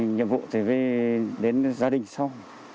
nhiệm vụ thì đến gia đình sau